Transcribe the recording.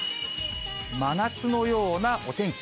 真夏のようなお天気。